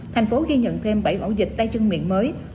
tp hcm ghi nhận thêm bảy ổ dịch tay chân miệng mới